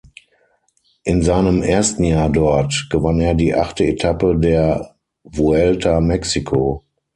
In seinem ersten Jahr dort gewann er die achte Etappe der Vuelta Mexico.